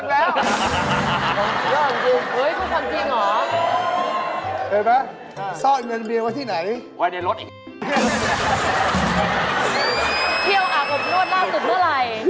แค่น้ำน้ำมันไม่อุ่นหรอ